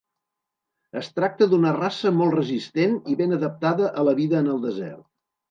Es tracta d'una raça molt resistent i ben adaptada a la vida en el desert.